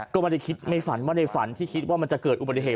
ก็ไม่ได้ฝันที่คิดว่าจะเกิดอุบัติเหตุ